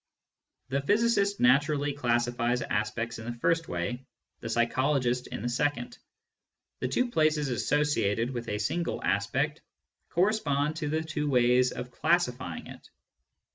The physicist naturally classifies aspects in the first way, the psychologist in the second. The two places associated with a single aspect correspond to the two ways of classifying it.